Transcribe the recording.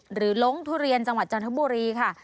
ล้งทุเรียนจังหวัดจันทบุรีค่ะ